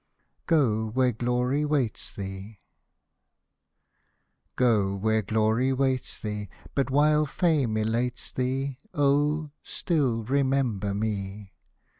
GO WHERE GLORY WAITS THEE Go where glory waits thee : But, while fame elates thee, Oh ! still remember me.